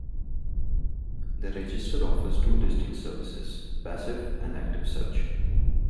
The register offers two distinct services: passive and active search.